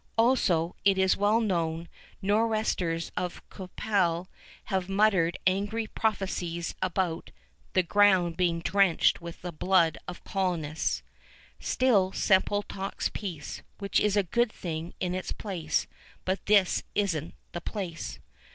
Also it is well known, Nor'westers of Qu'Appelle have muttered angry prophecies about "the ground being drenched with the blood of the colonists." Still Semple talks peace, which is a good thing in its place; but this is n't the place.